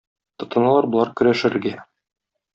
Тотыналар болар көрәшергә.